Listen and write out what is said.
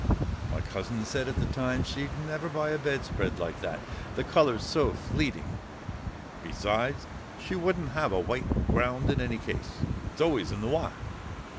My cousin said at the time she'd never buy a bedspread like that; the colour's so fleeting. Besides, she wouldn't have a white ground in any case, it's always in the wash.